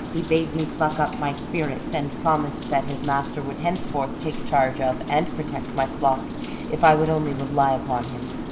He bade me pluck up my spirits, and promised that his master would henceforth take charge of and protect my flock, if I would only rely upon him.